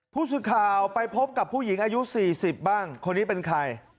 ผู้สื่อข่าวไปพบกับผู้หญิงอายุ๔๐บ้างคนนี้เป็นใคร